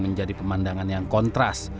menjadi pemandangan yang kontras